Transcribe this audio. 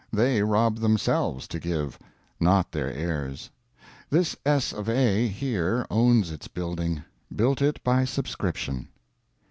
They rob themselves to give, not their heirs. This S. of A. here owns its building built it by subscription.